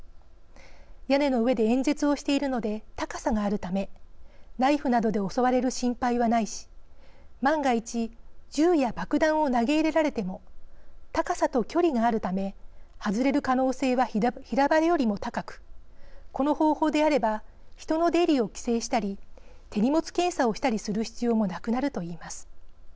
屋根の上で演説をしているので高さがあるためナイフなどで襲われる心配はないし万が一銃や爆弾を投げ入れられても高さと距離があるため外れる可能性は平場よりも高くこの方法であれば人の出入りを規制したり手荷物検査をしたりする必要もなくなると言います。